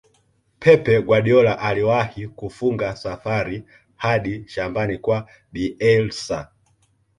pep guardiola aliwahi kufunga safari hadi shambani kwa bielsa